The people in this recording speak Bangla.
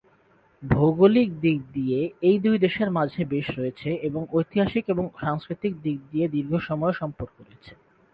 ভৌগোলিক দিক দিক দিয়ে এই দুই দেশের মাঝে বেশ রয়েছে এবং ঐতিহাসিক এবং সাংস্কৃতিক দিক দিয়ে দীর্ঘ সময়ের সম্পর্ক রয়েছে।